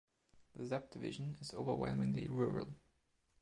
The subdivision is overwhelmingly rural.